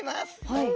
はい。